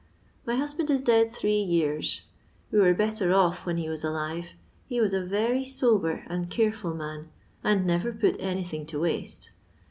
My husband is dead three years ; we were better eff when he was alive; he was a yery sober aad careful man, and never put anything to waste.